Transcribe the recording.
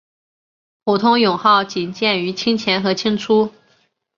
普通勇号仅见于清前和清初。